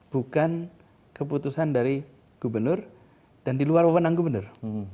bukan keputusan dari gubernur dan di luar wawenang gubernur